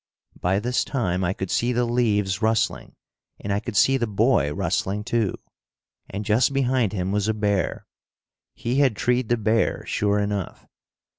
By this time I could see the leaves rustling. And I could see the boy rustling, too. And just behind him was a bear. He had treed the bear, sure enough!